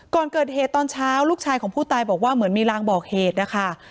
ก่อนเกิดเหตุตอนเช้าลูกชายของผู้ตายบอกว่าเหมือนมีรางบอกเหตุนะคะ